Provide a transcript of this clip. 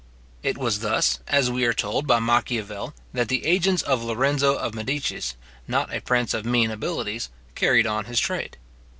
It was thus, as we are told by Machiavel, that the agents of Lorenzo of Medicis, not a prince of mean abilities, carried on his trade.